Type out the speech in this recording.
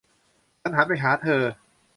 ฉันหันไปหาเธอ